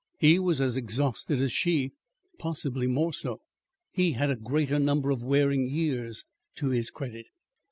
He was as exhausted as she, possibly more so. He had a greater number of wearing years to his credit.